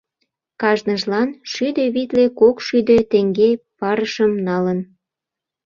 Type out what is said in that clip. Кажныжлан шӱдӧ витле-кокшӱдӧ теҥге парышым налын.